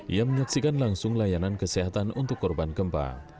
ia menyaksikan langsung layanan kesehatan untuk korban gempa